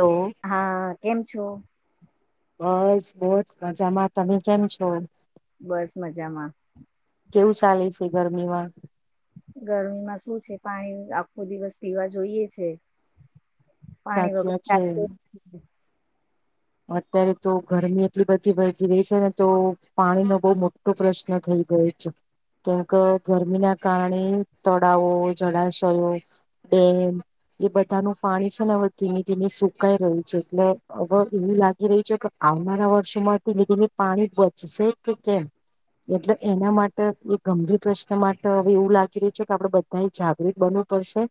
Hello હા કેમ છો બસ બસ મજામાં તમે કેમ છો બસ મજામાં કેવું ચાલે છે ગરમીમાં ગરમીમાં શું છે પાણી આખો દિવસ પીવા જોઈએ છે પાણી સાચી વગર વાત છે ચાલતું જ નથી. અત્યારે તો ગરમી એટલી બધી વધી રહી છે ને તો પાણીનો બહુ મોટો પ્રશ્ન થઈ ગયો છે કેમ ક ગરમીના કારણે તળાવો જળાશયો ડેમ એ બધાનું પાણી છે ને હવે ધીમે ધીમે સુકાઈ રહ્યું છે એટલે અગર એવું લાગી રહ્યું છે કે આવનારા વર્ષોમાં ધીમે ધીમે પાણી બચશે કે કેમ એટલ એના માટે એ ગંભીર પ્રશ્ન માટ હવે એવું લાગી રહ્યું છે કે આપડે બધાએ જાગૃત બનવું પડશે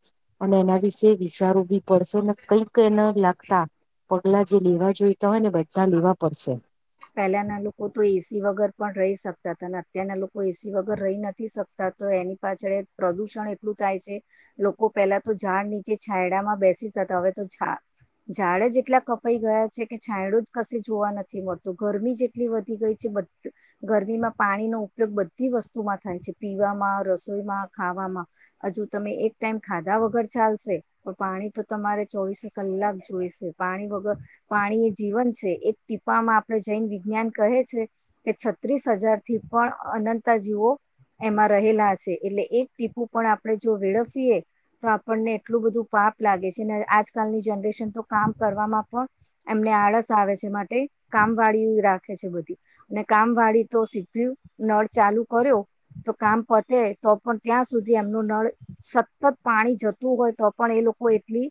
અને એના વિશે વિચારવું બી પડશે ને કઈક એને લાગતા પગલા જે લેવા જોઈતા હોય ને બધા લેવા પડશે પહેલાના લોકો તો એસી વગર પણ રહી સકતાતા ન અત્યારના લોકો એસી વગર રહી નથી શકતા તો એની પાછળ પ્રદુષણ એટલું થાય છે લોકો પેલા તો ઝાડ નીચે છાંયડામાં બેસી જતા હતા હવે તો ઝાડ જ એટલા કપાઈ ગયા છે કે છાંયડો જ કશે જોવા નથી મળત તો ગરમી જ એટલી વધી ગઈ છે બધ ગરમીમાં પાણીનો ઉપયોગ બધી વસ્તુમાં થાય છે પીવામાં રસોઈમાં ખાવામાં હજુ તમે એક ટાઈમ ખાધા વગર ચાલશે પણ પાણી તો તમારે ચોવીસે કલાક જોઈશે પાણી વગર પાણી એ જીવન છે એક ટીપામાં જૈન વિજ્ઞાન કહે છે કે છત્રીસ હજાર થી પણ અનતાજીવો એમાં રહેલા છે એટલે એક ટીપુ પણ આપણે જો વેળફીએ તો આપણને એટલું બધું પાપ લાગે છે ને આજકાલની જનરેશન તો કામ કરવામાં પણ એમને આળસ આવે છે માટે કામ વાળી રાખે છે બધી અને કામ વાળી તો સીધું નળ ચાલુ કર્યો તો કામ પતે તો પણ ત્યાં સુધી એમનું નળ સતત પાણી જતું હોય તો પણ એ લોકો એટલી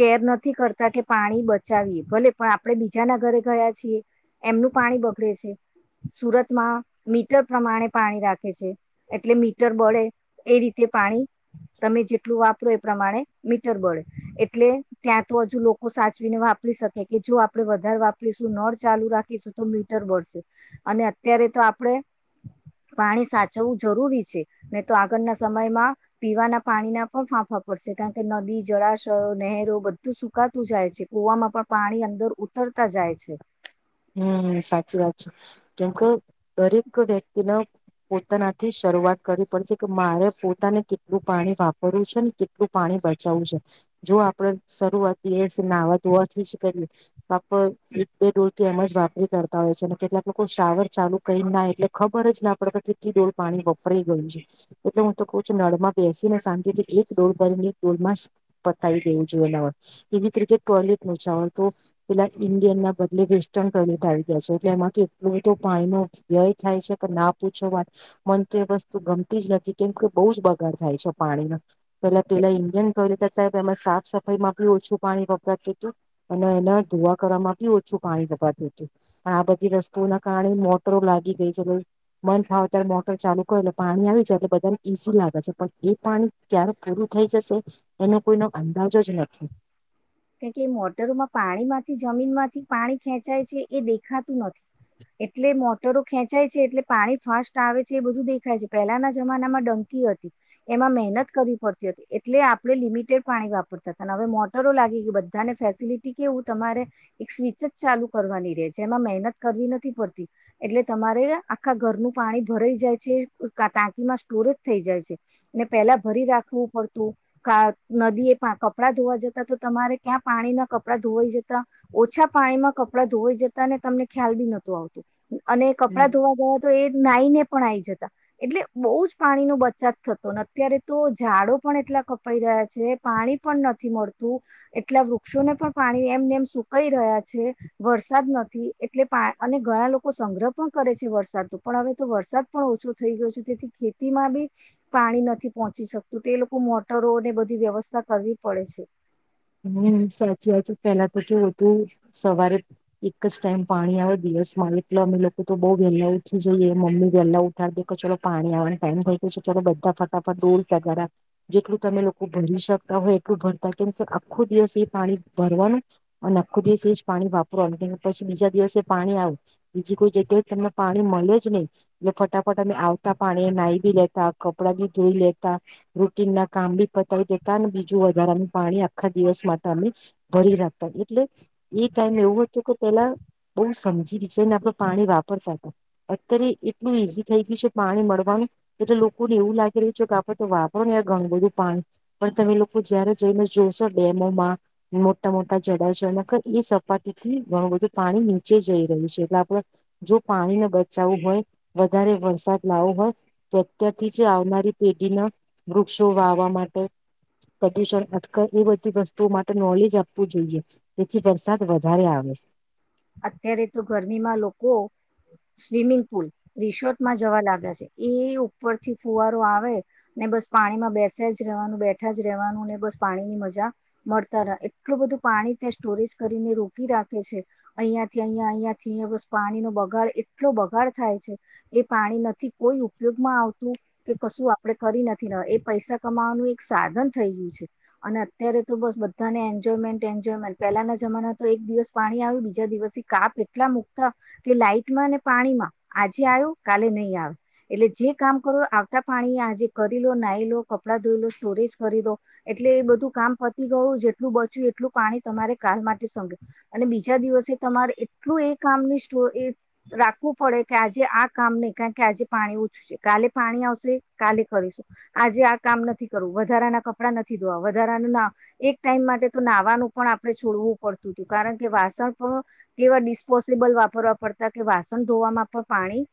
કેર નથી કરતા કે પાણી બચાવીએ ભલે પણ આપડે બીજાના ઘરે ગયા છીએ એમનું પાણી બગડે છે સુરતમાં મીટર પ્રમાણે પાણી રાખે છે એટલે મીટર બળે એ રીતે પાણી તમે જેટલું વાપરો એ પ્રમાણે મીટર બળે એટલે ત્યાં તો હજુ લોકો સાચવીને વાપરે રી શકે કે જો આપડે વધાર ધાર વાપરશું નળ ચાલુ રાખીશું તો મીટર બળશે અને અત્યારે તો આપડે પાણી સાચવવું જરૂરી છે નહી તો આગળના સમયમાં પીવાના પાણીના પણ ફાંફા પડશે કારણ કે નદી જળાશયો નહેરો બધું સુકાતું જાય છે કુવામાં પણ પાણી અંદર ઉતરતા જાય છે છે હમ સાચી વાત છે કેમક દરેક વ્યક્તિના પોતાનાથી શરૂઆત કરવી પડશે કે મારે પોતાને કેટલું પાણી વાપરવું છે ન કેટલું પાણી બચાવવું છે જો આપડે શરૂઆત દિવસે નાહવા ધોવાથી જ કરીએ તો આપડ એક બે ડોલ કે એમ જ વાપરી કાઢતા હોય છ ન કેટલાક લોકો શાવર ચાલુ કરી ન નાય એટલે ખબર જ ના પડ કે કેટલી ડોલ પાણી વપરઈ ગયું છે એટલે હું તો કઉ છું નળમાં બેસી ને શાંતિ થી એક ડોલ ભરીને એક ડોલમાં જ પતાઈ દેવું જોઈઅ નાવાનું એવી જ રીતે ટોયલેટ નું શાવર તો પેલા ઇન્ડિયન ના બદલે વેસ ટન ટોયલેટ આવી ગયા છે એટલે એમાંથી એટલું તો પાણીનો વ્યય થાય છે કે ના પૂછો વાત મન તો એ વસ્તુ ગમતી જ નથી કેમ કે બહુ જ બગાડ થાય છ પાણીનો પેલા પેલા ઈન્ડિયન ટોયલેટ હતા એમાં સાફ સફાઈમાં બી ઓછું પાણી વગરાતું તું અને એના ધોવા કરવામા બી ઓછું પાણી વપરાતું તું આ બધી વસ્તુઓ ના કારણે મોટરો લાગી ગઈ છે એટલે મન ફાવત્યારે મોટર ચાલુ કર એટલે પાણી આવી જાય એટલે બધાન ઈઝી લાગે છ પણ એ પાણી ક્યારે પૂરું થઈ જશે એનો કોઈનો અંદાજ જ નથી કારણ કે એ મોટરોમાં પાણીમાંથી જમીન માંથી પાણી ખેંચાય છે એ દેખાતું નથી એટલે મોટરો ખેંચાય છે એટલે પાણી ફાસ્ટ આવે છે એ બધું દેખાય છે પહેલાના જમાનામાં ડંકી હતી એમાં મહેનત કરવી પડતી હતી એટલે આપડે લિમિટેડ પાણી વાપરતા હતા અને હવે મોટરો લાગી ગ બાને ફેસિલિટી કેવું તમારે એક સ્વિચ જ ચાલુ કરવાની રહે જેમાં મહેનત કરવી નથી પડતી એટલે તમારે આખા ઘરનું પાણી ભરાઈ જાય છે ટાંકીમાં સ્ટોરેજ થઈ જાય છે ને પહેલા ભરી રાખવું પડતું નદી એ કપડા ધોવા જતા તો તમારે ક્યાં પાણી ના કપડાં ધોવાઈ જતા ઓછા પાણીમાં કપડા ધોવાઈ જતા ને તમને ખ્યાલ બી નહતું આવતું અને કપડાં ધોવા ગયા તો એ જ નાઈ ને પણ આવીઈ જતા એટલે બહુ જ પાણી નો બચત થતો. અત્યારે તો ઝાડો પણ એટલા કપાઈ રહ્યા છે પાણી પણ નથી મળતું એટલા વૃક્ષોને પણ પાણી એમને એમ સુકાઈ રહ્યા છે વરસાદ નથી એટલે પા અને ઘણા લોકો સંગ્રહ પણ કરે છે વરસાદ ન પણ હવે તો વરસાદ પણ ઓછો થઈ ગયો છે તેથી ખેતીમાં બી પાણી નથી પહોંચી શકતું તે એ લોકો મોટરોને બધી વ્યવસ્થા કરવી પડે છે. હમ સાચી વાત પેલા તો કેું હતું સવારે એક જ ટાઈમ પાણી આવે દિવસ માં એટલે અમે લોકો તો બઉ વેલા ઉઠી જઈએ મમ્મી વેહેલા ઉઠાડી દે કે ચાલલો પાણી આવવાને ટાઈમ થઈ ગયો છે ચાલો બધા ફટાફટ દોડ પગારા જેટલું તમે લોકો ભરી શકતા હોય એટલું ભરતા કેમ આખો દિવસ પાણી ભરવાનું અને આખું દિવસે એ પાણી વાપરવાનું પછી બીજા દિવસે એ પાણી આવ બીજી કોઈ જગ્યાએ તમને પાણી મળે જ નહી એટલે ફટાફટ અમે આવતા પાણી ના બી લેતા કપડાં બી ધોઈ લેતા રૂટીન ના કામ બી પતાવી દેતા બીજું વધારે અ પાણી આપ આખા દિવસ માટે અમે ભરી રાખતા એટલે એ ટાઈમ એવું હતો કે પેલા બહુ સમજી વિચારી ને આપડણે પાણી વાપરતા હતા. અત્યારે એટલું ઈઝી થઈ ગયું છે પાણી મળવાનું એટલે લોકોને એવું લાગી રહ્યું છે કે આપડે તો વાપરો ને ઘણું બધું પાણી પણ તમે લોકો જયારે જઈને જોશો ડેમોમાં મોટા મોટા જળાશયોમાં એ સપાટી થી ઘણું બધું પાણી નીચે જઈ રહ્યું છે એટલે આપડે જો પાણીને બચાવવું હોય વધારે વરસાદ લાવો હોય તો અત્યારથી જ આવનારી પેઢીના વૃક્ષો વાવવા માટે, પ્રદુષણ અટક એ બધી વસ્તુઓ માટે નોલેજ આપવું જોઈએ જેથી વરસાદ વધારે આવે. અત્યારે તો ગરમીમાં લોકો સ્વિમિંગ પુલ રિસોર્ટમાં જવા લાગ્યા છે. એ ઉપરથી ફુવારો આવે ને બસ પાણીમાં બેસ જ રહેવાનું બેઠા જ રહેવાનું ને બસ પાણીની મજા મળતા રહે એટલું બધું પાણી ત્યાં સ્ટોરેજ કરીને રોકી રાખે છે અહિયાંથી અહંયા અહિયાં થી અહીયા બસ પાણીનો બગાડ એટલો બગાડ થાય છે એ પાણી નથી કોઈ ઉપયોગમાં આવતું કે કશું આપડણે કરી નથી એ પૈસા કમાવાનું એક સાધન થઈ ગયું છે અને અત્યારે તો બસ બધાને એન્જોયમેન્ટ એન્જોયમેન્ટ પહેલાના જમાના તો એક દિવસ પાણી આવ્યું બીજા દિવસ કાપ એટલા મુકતા કે લાઈટમાં પાણીમાં આજે આવ્યો કાલે નહી આવે એટલે જે કામ કરો આવતા પાણી આજે કરી લો નાી લો કપડા ધોઈ લો સ્ટોરેજ કરી લો એટલે એ બધું કામ પતી ગયું જેટલું બચ્યું એટલું પાણી તમારે ક માટે સમભ્યું અને બીજા દિવસ તમારે એટલું એ કામ ની સ્ટ રાખવું પડે કે આજે આ કામ નહી કારણ કે આજે પાણી ઓછું છે કાલે પાણી આવશે કાલે કરીશું આજે આ કામ નથી કરવું વધારાના કપડા નથી ધોવા વધારાનું ના એક ટાઈમ માટે તો નાહવાનું પણ આપણે છોડવું પડતું હતયું કારણ કે વાસણ કેવા ડિસ્પોઝબલ વાપરવા પડતા કે વાસણ ધોવામાં પણ પાણી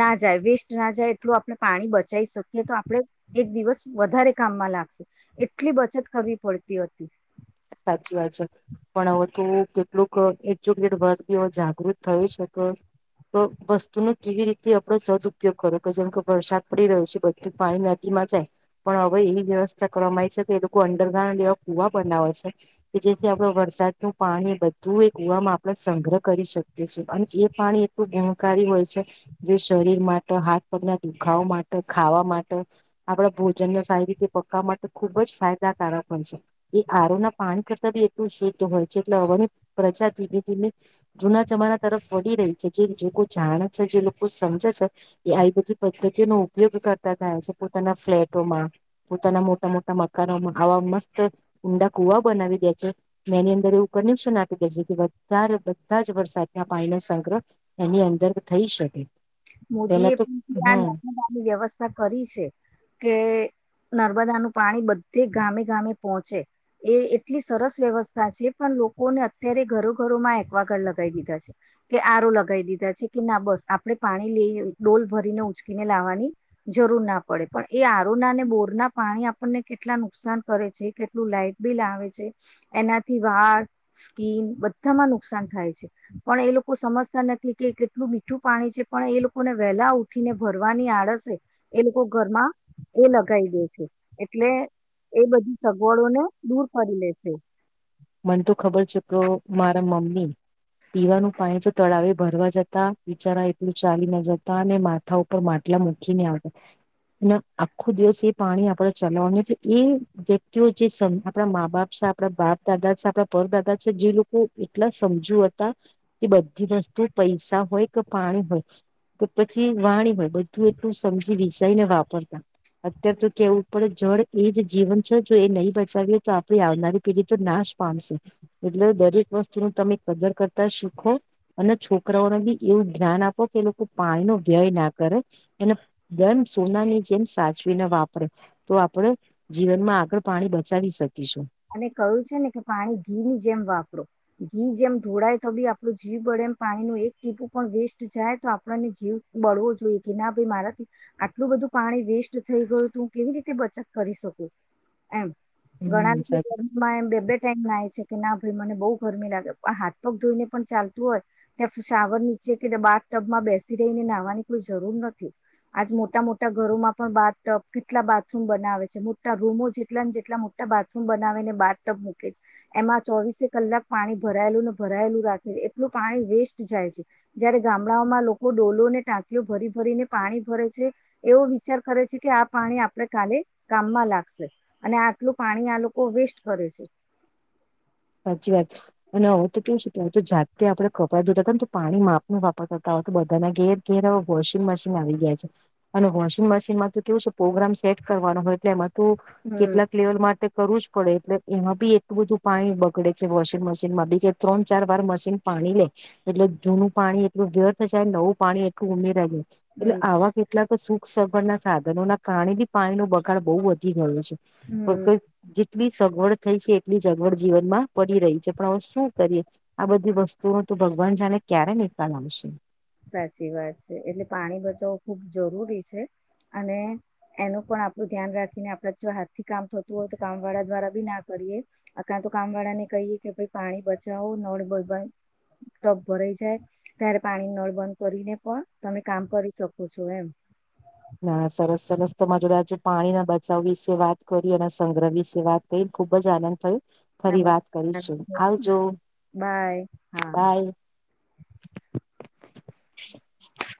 ના જાય વેસ્ટ ના જાય એટલું આપણે પાણી બચી શકીએ તો આપણે એક દિવસ વધારે કામમાં લાગશે એટલી બચત કરવી પડતી હતી. સાચી વાત છે પણ હવે તો કેટલુંક એ ચોકલેટ વર્ બી જાગૃત થય શકે તો વસ્તુ ન કેવી રીતે આપડો સદ ઉપયોગ કરો કે જેમ કે વરસાદ પડી રહ્યો છે બધું પાણી નદીમાં જાય પણ હવે એવી વ્યવસ્થા કરવામાં આવી છે કે એ લોકો અંડરગ્રાઉન્ડ એવા કુવા બનાવે છે કે જેથી આપણે વરસાદનું પાણી બધું એ કુવામાં આપણે સંગ્રહ કરી શકીએ છ અને એ પાણી એટલું ગણકારી હોય છે જે શરીર માટે, હાથ-પગના દુખાવ માટે, ખાવા માટે, આપડા ભોજનને સારી રીતે પકવવા માટે ખુબ જ ફાયદાકારક હો છે. એ આરોના પાણી કરતા બી એટલું શુદ્ધ હોય છે એટલે હવાની પ્રજા ધીમે ધીમે જૂના જમાના તરફ વળી રહી છે જે લોકો જાણે છે જે લોકો સમજે છે એ આવી બધી પદ્ધતિનો ઉપયોગ કરતા થાય છે પોતાના ફ્લેટોમાં પોતાના મોટા મોટા મકાનોમાં આવા મસ્ત ઊંડા કુવા બનાવી દે છે એની અંદર એવું કનેક્શન આપી દે છે કે વધારે બધા જ વરસાદના પાણીનો સંગ્રહ એની અંદર થઈ શકે. મોદી પેલા એ તો પણ હમ આ નની વ્યવસ્થા કરી છે કે નર્મદાનું પાણી બધે ગામે ગામે પહોંચે એ એટલી સરસ વ્યવસ્થા છે પણ લોકોને અત્યારે ઘરો ઘરોમાં એકવાગાર લગાવી દીધા છે કે આરો લગાવી દીધા છે કે ના બસ આપણેે પાણી લ ડોલ ભરીને ઉચકીને લાવવાની જરૂર ના પડે પણ એ આરોના અને બોરના પાણી આપણને કેટલા નુકસાન કરે છે કેટલું લાાઈટ બિલ આવે છે એનાથી વાળ સ્કીન બધામાં નુકસાન થાય છે પણ એ લોકો સમજતા નથી કે કેટલું મીઠું પાણી છે પણ એ લોકોને વહેલા ઉઠીને ભરવાની આળસે એ લોકો ઘરમાં એ લગાઈ દે છે એટલે એ બધી સગવડોને દૂર કરી લે છે. મને તો ખબર છે કે મારા મમ્મી પીવાનું પાણી તો તળાવે ભરવા જતા બિચારા એટલું ચાલી ના જતા અને માથા ઉપર માટલા મૂકીને આવતા અને આખો દિવસ એ પાણી આપણે ચલાવાનું એ વ્યક્તિઓ જે આપણા મા બાપ છે આપણા બાપ દાદા છે આપણા પરદાદા છે જે લોકો એટલા સમજુ હતા કે બધી વસ્તુ પૈસા હોય કે પાણી હોય કે પછી વાણી હોય બધું એટલું સમજી વિસાઈને વાપરતા. અત્ય્યારે તો કેવું પડે જળ એ જ જીવન છે જો એ નહી બચાવીએ તો આપડી આવનારી પીઢી તો નાશ પામશે એટલે દરેક વસ્તુ ન તમે કદર કરતા શીખો અને છોકરાઓને બી એવું જ્ઞાન આપો કે લોકો પાણીનો વ્યય ના કરે અને દમ સોનાની જેમ સાચવીને વાપરે તો આપણે જીવનમાં આગળ પાણી બચાવી શકીશું. અને કહ્યું છે ને કે પાણી ઘી ની જેમ વાપરો ઘી જેમ ધોળાય તો બી આપણું જીવ બળે એમ પાણી ન એક ટીપું પણ વેસ્ટ જાય તો આપણને જીવ બળવો જોઈએ કે ના ભાઈ મારાથી આટલું બધું પાણી વેસ્ટ થઈ ગયું તો હું કેવી રીતે બચત કરી શકું એમ. ઘણા હમ. સાચી બે ટાઈમ નાય છે કે ના ભાઈ મને બહુ ગરમી લાગે હાથ પગ ધોઈને પણ ચાલતું હોય ત્યાં શાવર નીચે કે બાથ ટબમાં બેસી રહીને નાહવાની કોઈ જરૂર નથી. આજ મોટા મોટા ઘરોમાં પણ બાથ ટબ કેટલા બાથરૂમ બનાવે છે મોટા રૂમો જેટલા ને જેટલા મોટા બાથ બાર ટબ મૂકે છે એમાં ચોવીસે કલાક પાણી ભરાયેલું ને ભરાયેલું રાખે છે એટલું પાણી વેસ્ટ જાય છે. જયારે ગામડાઓમાં લોકો ડોલોને ટાંકીઓ ભરી ભરીને પાણી ભરે છે એવો વિચાર કરે છે કે આ પાણી આપડ કાલે કામમાં લાગશે અને આટલું પાણી આ લોકો લોકો વેસ્ટ કરે છે. સાચી વાત છે અને હવેું તો કેવું છે કે હ તો જાતે આપડણે કપડાં ધોતા હતાને પાણી માપનો વાપર કરતા હોય તો બધાના ઘેર ઘેર વોશિંગ મશીન આવી ગયા છે અને વોશિંગ મશીનમાં તો કેવું છે પ્રોગ્રામ સેટ કરવાનો હોય તો એમાં તો હમ કેટલાક લેવલ માટે કરવું જ પડે એટલે એમાં બી એટલું બધું પાણી ઉકડે છે વોશિંગ મશીનમાં બી કે ત્રણ ચાર વાર મશીન પાણી લે એટલે જૂનું પાણી એટલું ઘેર થશેાય નવું પાણી એટલું ઉમેરા જાય એટલે હમ આવા કેટલાક સુખ ના સાધનો ના કારણે બી પાણી ન બગાડ બહુ વધી ગયો હમ છે. જેટલી સગવડ થઈ છે એટલી સગવડ જીવનમાં પડી રહી છે. પણવે શું કરીએ આ બધી વસ્તુઓ તો ભગવાન જાને ક્યારે નિકાલ આવશે. સાચી વાત છે એટલે પાણી બચાવવું ખુબ જરૂરી છે અને એનું પણ આપડું ધ્યાન રાખીને આપડા જો હાથ થી કામ થતું હોય તો કામ વાળા દ્વારા બી ના કરીએ [inaudible] તો કામ વાળા ને કહીએ કે ભાઈ પાણી બચાવો નળ બબ ટપ ભરાઈ જાય ત્યારે પાણી નળ બંધ કરીને પણ તમે કામ કરી શકો છો એમ. ના સરસ સરસ તોમાં જોડયા છ પાણીના બચાવ વિશે વાત કરી અને સંગ્રહ વિશે વાત કરી ખુબ જ આનંદ થયું. [unintelligible] બાય હા. બાય.